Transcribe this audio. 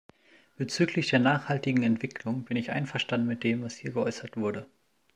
Bezüglich der nachhaltigen Entwicklung bin ich einverstanden mit dem, was hier geäußert wurde.